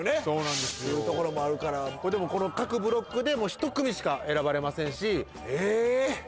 そうなんですよっていうところもあるからこれでもこの各ブロックでもう１組しか選ばれませんしえっ